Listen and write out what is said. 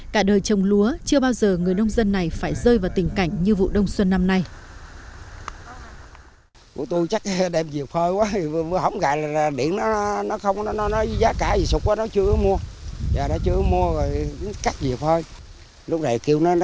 cả đời trồng lúa chưa bao giờ người nông dân này phải rơi vào tình cảnh như vụ đông xuân năm nay